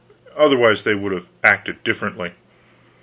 Otherwise they would have acted differently.